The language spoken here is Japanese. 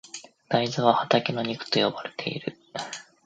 大豆は畑の肉と呼ばれている。